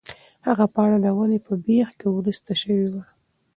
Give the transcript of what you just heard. هغه پاڼه د ونې په بېخ کې ورسته شوې وه.